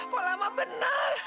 kok lama benar